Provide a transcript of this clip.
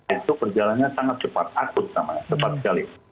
itu perjalanannya sangat cepat akut namanya cepat sekali